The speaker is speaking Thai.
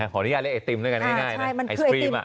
ขออนุญาตเรียกไอติมด้วยกันง่ายนะไอศครีม